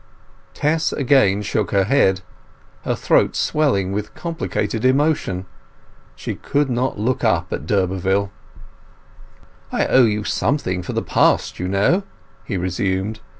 Tess again shook her head, her throat swelling with complicated emotion. She could not look up at d'Urberville. "I owe you something for the past, you know," he resumed.